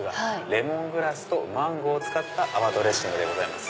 レモングラスとマンゴーを使った泡ドレッシングでございます。